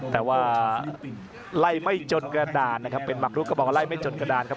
แต่ว่าไล่ไม่จนกระดานนะครับเป็นหมักลูกกระบองไล่ไม่จนกระดานครับ